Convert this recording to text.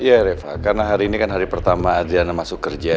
iya reva karena hari ini kan hari pertama adriana masuk kerja